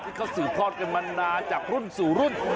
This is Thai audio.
ที่เขาสืบทอดกันมานานจากรุ่นสู่รุ่น